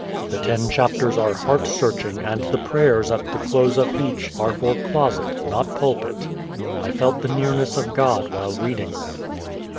The ten chapters are heart searching and the prayers at the close of each are for closet, not pulpit. _I felt the nearness of God while reading them.